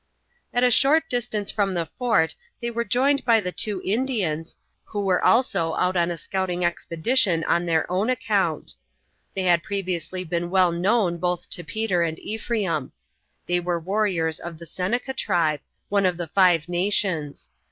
At a short distance from the fort they were joined by the two Indians, who were also out on a scouting expedition on their own account. They had previously been well known both to Peter and Ephraim. They were warriors of the Seneca tribe, one of the Five Nations.